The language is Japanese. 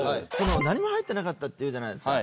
何も入ってなかったっていうじゃないですか。